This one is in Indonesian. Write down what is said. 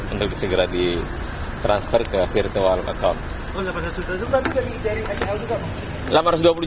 untuk disegera di transfer ke virtual account